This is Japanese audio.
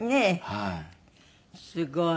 はい。